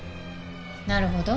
なるほど。